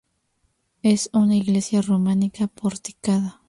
Es una iglesia románica porticada.